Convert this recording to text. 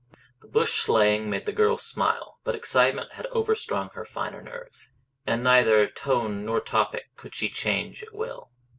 The bush slang made the girl smile, but excitement had overstrung her finer nerves, and neither tone nor topic could she change at will.